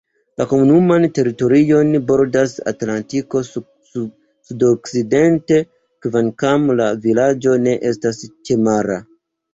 La komunuman teritorion bordas Atlantiko sudokcidente, kvankam la vilaĝo ne estas ĉemara.